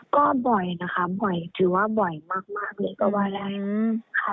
ก็บ่อยนะคะคือว่าบ่อยมากนี่ก็ว่าแล้วค่ะ